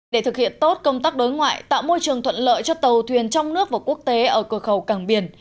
để thực hiện tốt công tác đối ngoại tạo môi trường thuận lợi cho tàu thuyền trong nước và quốc tế ở cửa khẩu cảng biển